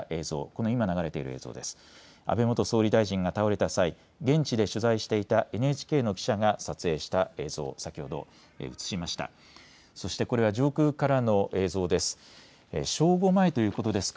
これは安倍元総理大臣が倒れた際に現地で取材していたＮＨＫの記者が撮影した映像、この今流れている映像です。